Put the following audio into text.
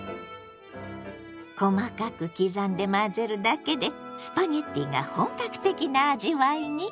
細かく刻んで混ぜるだけでスパゲッティが本格的な味わいに。